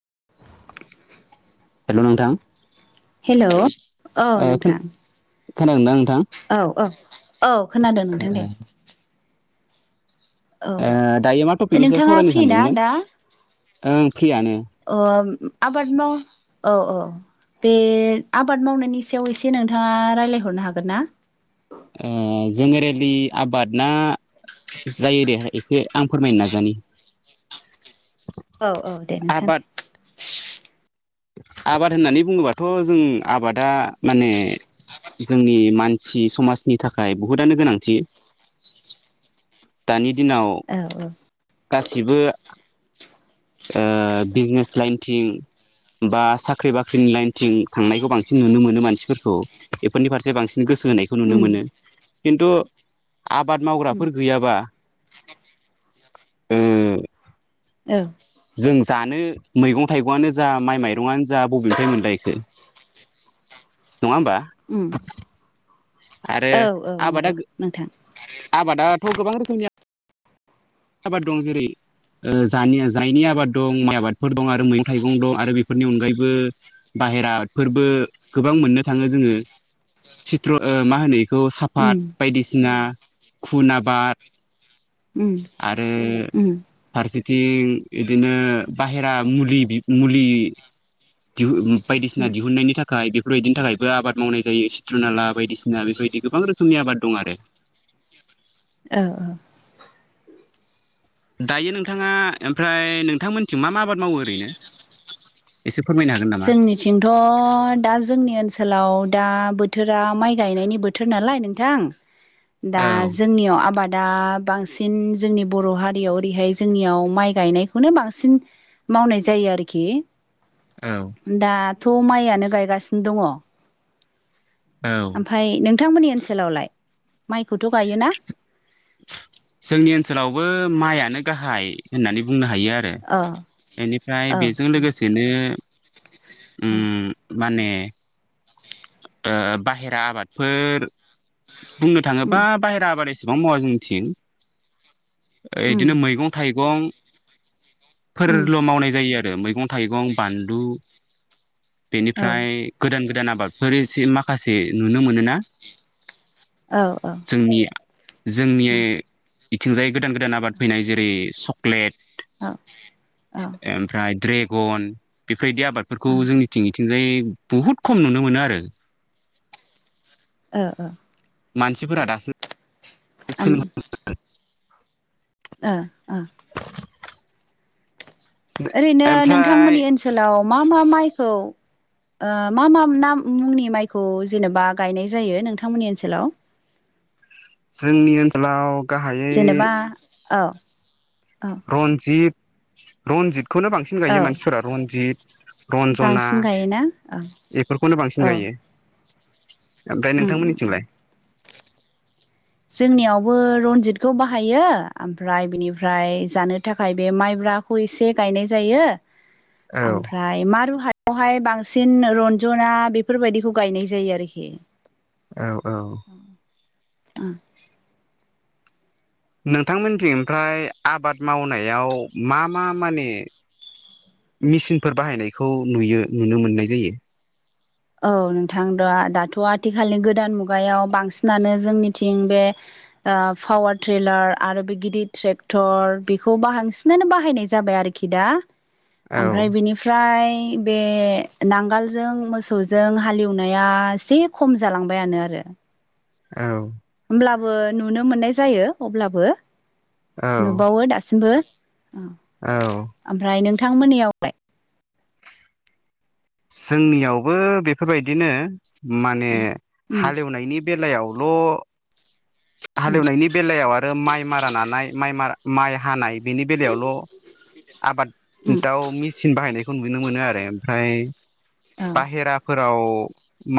[inaudible] हेल' नोंथां हेल' औ ओ नोंथां। खोनादोंना नोंथां? औ औ औ खोनादों नोंथां दे। औ ओमफ्राय ओ दायो मा टपिकनि सायाव नोंथाङा सावरायनो फ्रि सानदोंमोन? ओं फ्रियानो औ आबाद माव औ औ बे आबाद मावनायनि सायाव एसे नोंथाङा रायलायहरनो हागोन ना? ए जेनेरेलि आबादना जायो दे एसे आं फोरमायनो नाजानि। औ औ दे नोंथां आबाद दे। आबाद होननानै बुङोबाथ' जों आबादा माने जोंनि मानसि समाजनि थाखाय बहुतआनो गोनांथि। दानि दिनाव औ औ गासिबो ओ बिजनेस लाइनथिं बा साख्रि बाख्रिनि लाइनथिं थांनायखौ बांसिन नुनो मोनो मानसिफोरखौ बेफोरनि फारसे बांसिन गोसो सो होनायखौ नुनो उम मोनो खिन्थु आबाद उम मावग्राफोर गैयाबा ओ औ जों जानो मैगं थाइगंआनो जा माइ माइरंनो जा बबेनिफ्राय मोनलायखो नङा होनबा उम आरो औ नंगौ आबादा गो नोंथां आबादाथ' गोबां रोखोमनि आबाद दं जेरै ओ जानिआ जायनि आबाद दं माइ आबादफोर दं आरो मैगं थाइगं दं आरो बेफोरनि अनगायैबो बाहेराफोरबो गोबां मोननो थाङो जोङो सिथ्र' ओ मा होनो इखौ उम साफात बायदिसिना खुन आबाद। उम आरो उम उम फारसेथिं इदिनो बाहेरा मुलि बि मुलि दिहुन बायदिसिना दिहुननायनि थाखाय बेफोरबायदिनि थाखायबो आबाद मावनाय जायो सिथ्रनाला बायदिसिना बेफोर बायदि गोबां रोखोमनि आबाद दं आरो। [unintelligible] औ औ दायो नोंथाङा एमफ्राय नोंथांमोनथिं मा मा आबाद मावो ओरैनो? एसे फोरमायनो हागोन नामा जोंनिथिंथ' दा जोंनि ओनसोलाव दा बोथोरा माइ गायनायनि बोथोर नालाय नोंथां। दा औ जोंनियाव आबाद दा बांसिन जोंनि बर' हारियाव ओरैहाय जोंनियाव माइ गायनायखौनो बांसिन मावनाय जायो आरोखि औ दाथ' माइयानो गायगासिनो दङ'। औ ओमफाय नों थांमोननि ओनसोलावलाय माइखौथ' गायोना? जोंनि ओनसोलावबो माइआनो गाहाय होननानै बुंनो हायो आरो। औ एनिफ्राय औ बेजों लोगोसेनो औ उम माने ओ बाहेरा आबादफोर बुंनो उम थाङोबा बाहेरा आबाद एस सेबां मावा जोंनि थिं ओ उम इदिनो मैगं थाइगं उम फोरल' मावनाय जायो आरो मैगं थाइगं, बानलु औ बेनिफ्राय गोदान गोदान आबादफोर एसे माखासे नुनो मोनोना औ औ। जोंनि जोंनि इथिंजाय गोदान गोदान आबाद फैनाय जेरै चक्लेट औ औ गन बेफोरबायदि आबादफोरखौ ओ जोंनि थिं इथिंजाय बुहुत खम नुनो मोनो आरो। ओ ओ मानसिफोरा दासिम [unintelligible] ओ ओ ओरैनो ओमफ्राय नोंथांमोननि ओनसोलाव मा मा माइखौ ओ मा मा नाम मुंनि माइखौ जेनेबा गायनाय जायो नोंथांमोननि ओनसोलाव [unintelligible] जोंनि ओनसोलाव गाहायै जेनेबा औ औ रनजित-रनजितखौनो बांसिन औ गायो मानसिफोरा रनजित रन्जना बांसिन गायोना औ बेफोरखौनो औ बांसिन गायो। ओमफ्राय उम उम नोंथांमोननिथिंलाय? जोंनियावबो रनजितखौ बाहायो ओमफ्राय बिनिफ्राय जानो थाखाय बे माइब्रा बाखौ एसे गायनाय जायो। औ आमफ्राय मारुहाय आवहाय बांसिन रन्जना बेफोरबायदिखौ गायनाय जायो आरोखि। औ औ उम नोंथांमोननिथिंफ्राय आबाद मावनायाव मा मा माने? मिसिनफोर बाहायनायखौ नुयो नुनो मोननाय जायो औ नोंथां। दा दाथ' आथिखालनि गोदान मुगायाव बांसिनानो जोंनिथिं बे पावार ट्रेलार आरो बे गिदिर ट्रेक्टर बेखौ बांसिनानो बाहायनाय जाबाय आरोखि खिदा औ ओमफ्राय निफ्राय बे नांगालजों मो मोसौजों हालेवनाया एसे खम जालांबायानो आरो औ। अब्लाबो नुनो मोननाय जायो अब्लाबो औ नुबावो दासिमबो औ औ ओमफ्राय नोंथांमोननियावलाय? जोंनियावबो बेफोरबायदिनो माने उम हालेएवनायनि बेलायावल' हाल उम एवनायनि बेलायाव आरो माइ मारा नानाय माइ मारा माइ हानाय बेनि बेलायावल' उम आबादाव मेसिन बाहायनाय खौ नुनो मोनो आरो ओमफ्राय औ बाहेराफोराव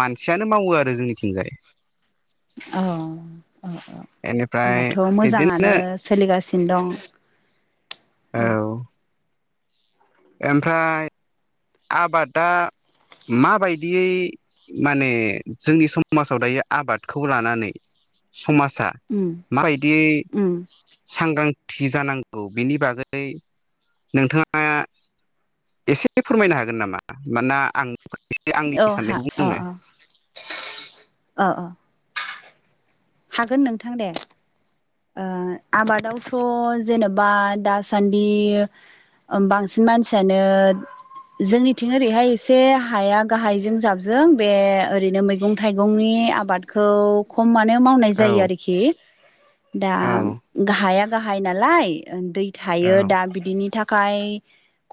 मानसियानो मावो आरो जोंनिथिंजाय औ-औ बेनिफ्राय होनबाथ' बिदिनो मोजाङानो सोलिगासिनो दं उम औ ओमफ्राय आबादा माबायदियै माने जोंनि समाजाव दायो आबादखौ लानानै समाजा उम माबायदि उम सांग्रांथि जानांगौ बेनि बागै नोंथाङा एसे फोरमायनो हागोन नामा मानोना आं एसे आंनि औ हा साननायखौ बुंनो अ-अ-अ-अ हागोन नोंथां दे ओ आबादावथ' जेनेबा दासान्दि बांसिन मानसियानो जोंनिथिं ओरैहाय एसे हाया गाहायजों जाबजों बे ओरैनो मैगं थाइगंनि आबादखौ खमानो मावनाय जायो औ आरोखि दा औ गाहाया गाहाय नालाय दै औ थायो दा बिदिनि थाखाय खाय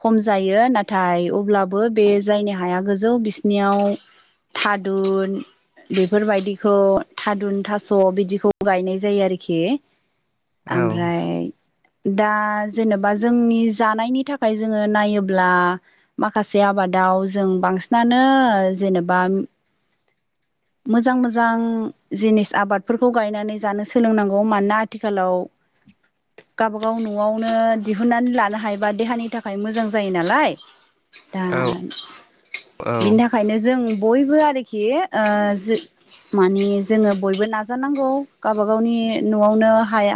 खम जायो नाथाय अब्लाबो बे जायनि हाया गोजौ बिसिनियाव थादुन बेफोरबायदिखौ थादुन थास' बिदिखौ गायनाय जायो आरोखि औ ओमफ्राय दा जेनेबा जोंनि जानायनि थाखाय जोङो नायोब्ला माखासे आबाद दाव जों बांसिनानो जेनेबा मोजां मोजां जिनिस आबादफोरखौ गायनानै जानो सोलोंनांगौ मानोना आथिखालाव गावबागाव न'आवनो दिहुनन्नानै लानो हायोबा देहानि थाखाय मोजां जायो नालाय दा औ औ ओं बिनि थाखायनो जों बयबो आरोखि ओ मानि जोङो बयबो नाजानांगौ गावबागावनि न'आवनो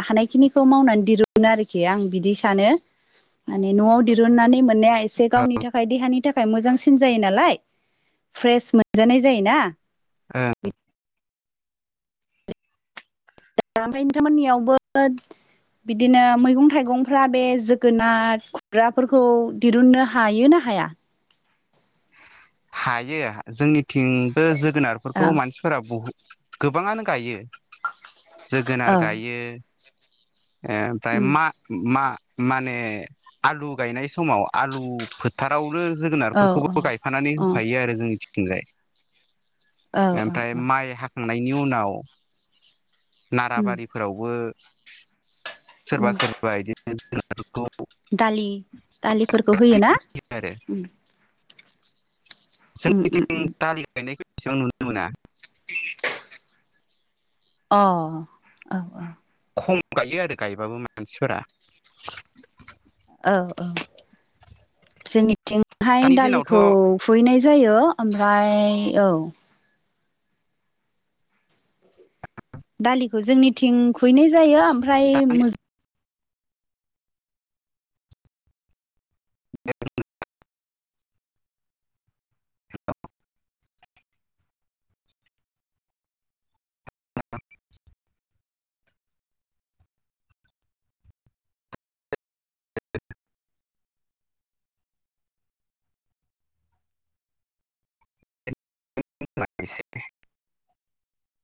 हानायखिनिखौ मावनानै दिरुनो आरोखि आं बिदि सानो माने न'आव दिरुननानै मोननाया एसे गावनि थाखाय देहानि थाखाय थाखाय मोजांसिन जायो नालाय फ्रेस मोनजानाय जायोना ओमफ्राय नोंथांमोननियावबो बिदिनो मैगं थाइगंफ्रा बे जोगोनार खुमब्राफोरखौ दिरुननो हायोना हाया हायो जोंनिथिंबो औ जोगोनारफोरखौ मानसिफोरा बहुद गोबाङानो गायो औ जोगोनार गायो ओ ओमफ्राय उम मा-मा माने आलु गायनाय समाव आलु फोथारावनो औ जोगोनारफोरखौबो गायफानानै औ औ होफायो आरो जोंनिथिंजाय औ औ ओमफ्राय माइ हाखांनायनि उनाव उम नाराबारिफोरावबो उम सोरबा सोरबा बिदिनो दालि दालिफोरखौ होयोना होयो आरो जोंनिथिं दालि गायनायखो [inaudible] अ औ औ खम गायो आरो गायबाबो मानसिफोरा औ-औ जोंनिथिंहाय दानि दालिखौ दिनावथ' फुहैनाय जायो ओमफ्राय औ। दालिखौ जोंनिथिं फुहैनाय जायो ओमफ्राय दानि मो बे [inaudible] ह [inaudible] [inaudible]